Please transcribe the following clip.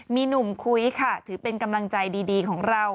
มีหนุ่มคุ้ยค่ะถือเป็นกำลังใจดีของเรา